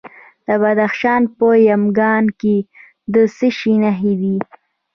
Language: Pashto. د بدخشان په یمګان کې د څه شي نښې دي؟